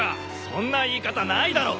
そんな言い方ないだろ！